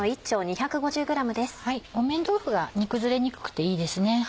木綿豆腐は煮崩れにくくていいですね。